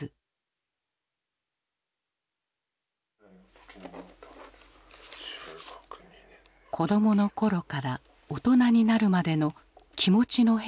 子どもの頃から大人になるまでの気持ちの変化をまとめた。